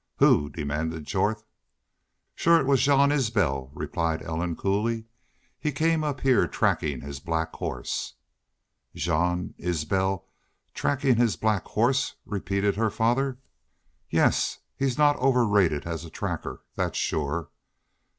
"Who?" demanded Jorth. "Shore it was Jean Isbel," replied Ellen, coolly. "He came up heah tracking his black horse." "Jean Isbel trackin' his black horse," repeated her father. "Yes. He's not overrated as a tracker, that's shore."